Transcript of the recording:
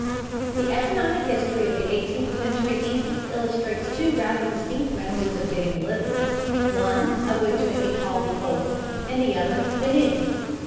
The economic history of eighteenth century England illustrates two rather distinct methods of getting a living, one of which may be called the old, and the other the new.